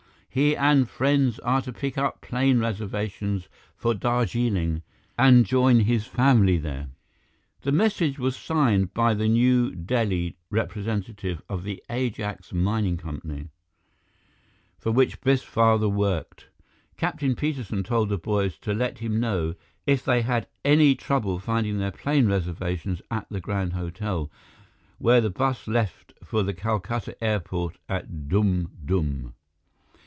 HE AND FRIENDS ARE TO PICK UP PLANE RESERVATIONS FOR DARJEELING AND JOIN HIS FAMILY THERE." The message was signed by the New Delhi representative of the Ajax Mining Company, for which Biff's father worked. Captain Peterson told the boys to let him know if they had any trouble finding their plane reservations at the Grand Hotel, where the bus left for the Calcutta Airport at Dum Dum.